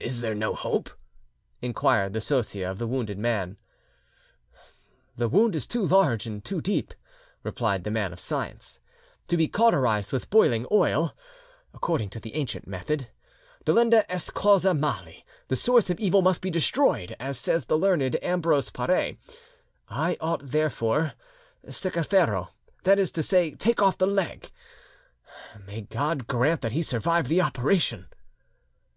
"Is there no hope?" inquired the Sosia of the wounded man. "The wound is too large and too deep," replied the man of science, "to be cauterised with boiling oil, according to the ancient method. 'Delenda est causa mali,' the source of evil must be destroyed, as says the learned Ambrose Pare; I ought therefore 'secareferro,'—that is to say, take off the leg. May God grant that he survive the operation!"